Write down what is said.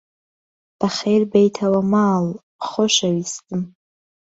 بەخێربێیتەوە ماڵ، خۆشەویستم!